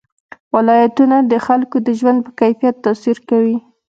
ولایتونه د خلکو د ژوند په کیفیت تاثیر کوي.